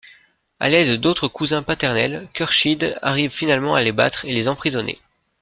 À l'aide d'autres cousins paternels, Khurshid arrive finalement à les battre et les emprisonner.